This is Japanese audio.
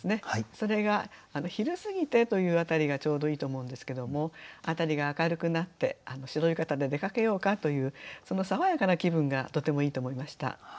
それが「昼過ぎて」という辺りがちょうどいいと思うんですけども辺りが明るくなって白浴衣で出かけようかというその爽やかな気分がとてもいいと思いました。